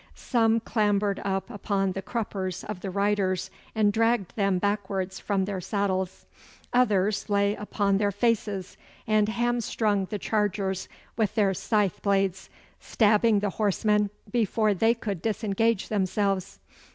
Some clambered up upon the cruppers of the riders and dragged them backwards from their saddles. Others lay upon their faces and hamstrung the chargers with their scythe blades, stabbing the horsemen before they could disengage themselves.